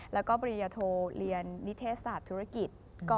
แล้วก็ปริญญาโทเรียนนิเทศศาสตร์ธุรกิจ